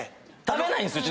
食べないんですよ